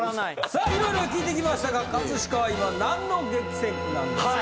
さあ色々聞いてきましたが飾は今何の激戦区なんですか？